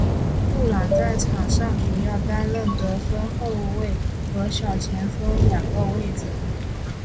布朗在场上主要担任得分后卫和小前锋两个位置。